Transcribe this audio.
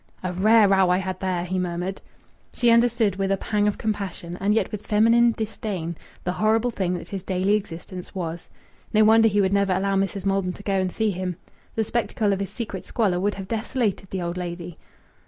"A rare row I had there!" he murmured. She understood, with a pang of compassion and yet with feminine disdain, the horrible thing that his daily existence was. No wonder he would never allow Mrs. Maldon to go and see him! The spectacle of his secret squalor would have desolated the old lady.